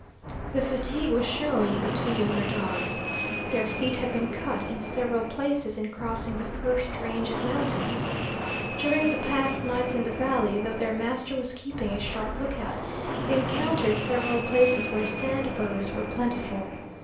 The fatigue was showing in the two younger dogs. Their feet had been cut in several places in crossing the first range of mountains. During the past nights in the valley, though their master was keeping a sharp lookout, they encountered several places where sand burrs were plentiful.